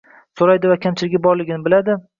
So'raydi va kamchiligi borligini biladi.